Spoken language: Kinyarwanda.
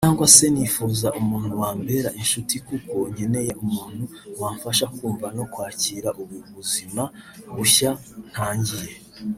Cyangwa se nifuza umuntu wambera inshuti kuko nkeneye umuntu wamfasha kumva no kwakira ubu buzima bushya ntangiye